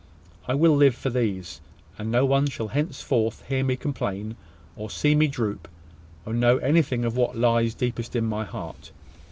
I will live for these, and no one shall henceforth hear me complain, or see me droop, or know anything of what lies deepest in my heart.